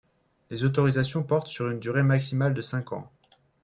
Les autorisations portent sur une durée maximale de cinq ans.